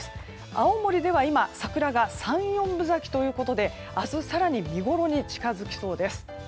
青森では今、桜が三四分咲きということで明日、更に見ごろに近づきそうです。